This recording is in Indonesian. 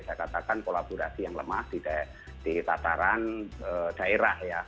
saya katakan kolaborasi yang lemah di tataran daerah ya